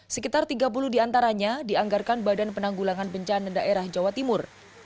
sekitar tiga puluh diantaranya dianggarkan badan penanggulangan bencana daerah jawa timur